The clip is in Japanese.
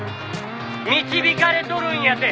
「導かれとるんやて！」